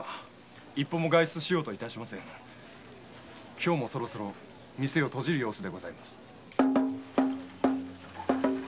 今日も店を閉じる様子でございます。